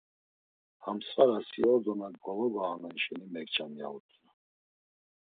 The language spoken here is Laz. Ham svara si ordo na gologaonu şeni mekçam, ya utzu.